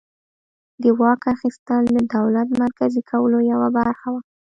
د واک اخیستل د دولت مرکزي کولو یوه برخه وه.